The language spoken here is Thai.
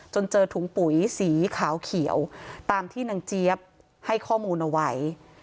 เจอถุงปุ๋ยสีขาวเขียวตามที่นางเจี๊ยบให้ข้อมูลเอาไว้